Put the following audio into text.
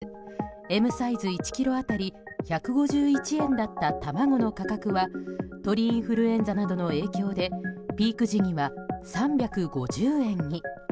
ＪＡ全農たまごによると昨年１月Ｍサイズ１ｋｇ当たり１５１円だった卵の価格は鳥インフルエンザなどの影響でピーク時には３５０円に。